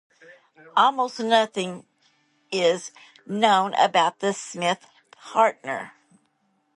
Almost nothing is known about the Smith partner.